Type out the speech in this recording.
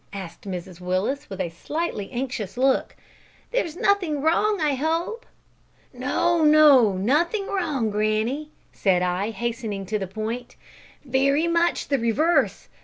asked Mrs Willis, with a slightly anxious look. "There's nothing wrong, I hope?" "No, no; nothing wrong, granny," said I, hastening to the point; "very much the reverse.